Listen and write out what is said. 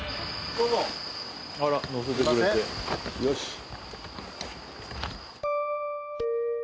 よし。